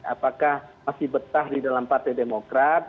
apakah masih betah di dalam partai demokrat